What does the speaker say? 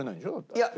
いや。